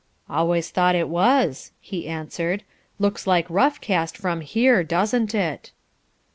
"Always thought it was," he answered. "Looks like rough cast from here, doesn't it."